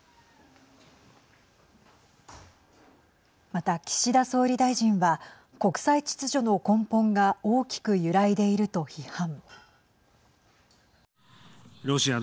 また、岸田総理大臣は国際秩序の根本が大きく揺らいでいると批判。